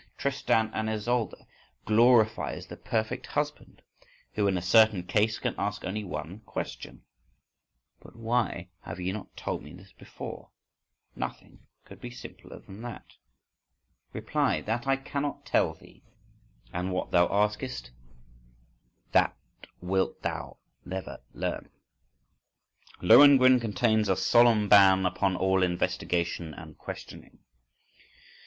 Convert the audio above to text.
"Tristan and Isolde" glorifies the perfect husband who, in a certain case, can ask only one question: "But why have ye not told me this before? Nothing could be simpler than that!" Reply: "That I cannot tell thee. And what thou askest, That wilt thou never learn." "Lohengrin" contains a solemn ban upon all investigation and questioning.